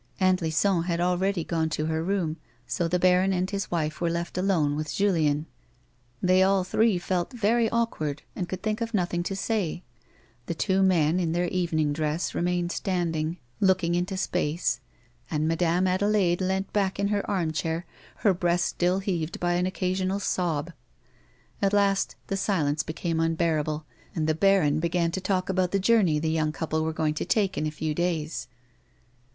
Aunt Lison had already gone to her room, so the baron and his wife were left alone with Julien. They all three felt very awkward, and could think of nothing to say ; the two men, in their eveiung drcsa, remained standing, A WOMAN'S LIFE. 57 looking into space, and Madame Adelaide leant back in her arm chair, her breast still heaved by an occasional sob. At last the silence became unbearable, and the baron began to talk about the journey the young couple were going to take in a few days.